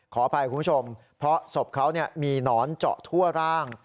ขออภัยคุณผู้ชมเพราะศพเขามีหนอนเจาะทั่วร่าง